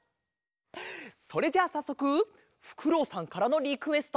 それじゃあさっそくふくろうさんからのリクエスト。